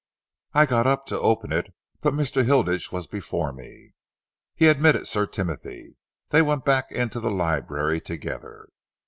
I got up, to open it but Mr. Hilditch was before me. He admitted Sir Timothy. They went back into the library together.